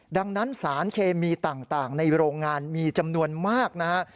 ดังนั้นสารเคมีต่างในโรงงานมีจำนวนมากนะฮะ